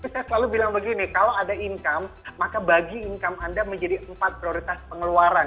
saya selalu bilang begini kalau ada income maka bagi income anda menjadi empat prioritas pengeluaran